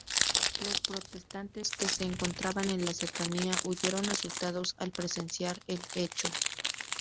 Los protestantes que se encontraban en la cercanía huyeron asustados al presenciar el hecho.